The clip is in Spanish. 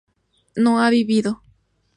no ha vivido